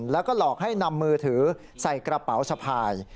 แล้วก็หลอกให้นำมือถือใส่กระเป๋าสะพาย